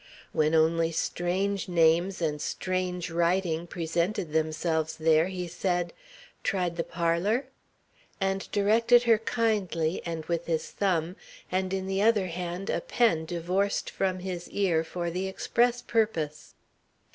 When only strange names and strange writing presented themselves there, he said: "Tried the parlour?" And directed her kindly and with his thumb, and in the other hand a pen divorced from his ear for the express purpose.